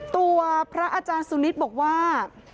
พระอาจารย์สุนิทบอกว่า